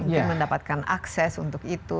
mungkin mendapatkan akses untuk itu